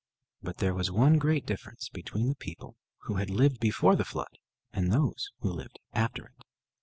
But there was one great difference between the people who had lived before the flood and those who lived after it.